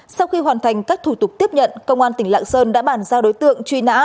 sau khi hoàn thành các thủ tục tiếp nhận công an tỉnh lạng sơn đã bàn giao đối tượng truy nã